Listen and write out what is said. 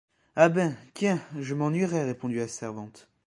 Ah! ben !... quien, je m’ennuierais, répondit la servante.